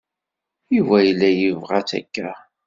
Yuba yella yebɣa-tt akka.